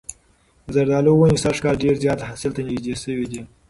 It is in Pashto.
د زردالو ونې سږ کال ډېر زیات حاصل ته نږدې شوي دي.